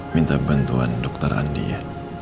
minta bantuan dokter andi ya